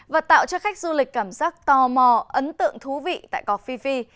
và tạo cho khách du lịch cảm giác tò mò ấn tượng thú vị tại cọc phi phi